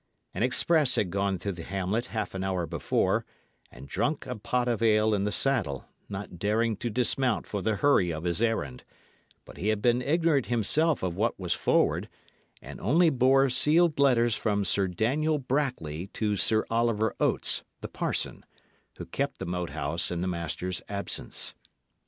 An express had gone through the hamlet half an hour before, and drunk a pot of ale in the saddle, not daring to dismount for the hurry of his errand; but he had been ignorant himself of what was forward, and only bore sealed letters from Sir Daniel Brackley to Sir Oliver Oates, the parson, who kept the Moat House in the master's absence.